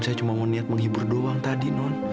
saya cuma mau niat menghibur doang tadi non